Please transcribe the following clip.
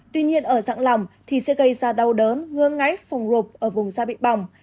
tuy nhiên ở dạng lỏng thì sẽ gây ra đau đớn ngương ngáy phùng rụp ở vùng da bị bỏng